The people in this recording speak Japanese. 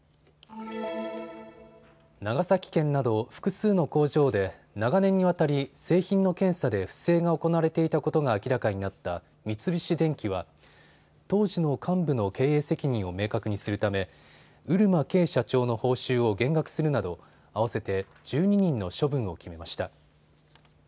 長崎県など複数の工場で長年にわたり製品の検査で不正が行われていたことが明らかになった三菱電機は当時の幹部の経営責任を明確にするため漆間啓社長の報酬を減額するなど合わせて１２人の処分を決めました。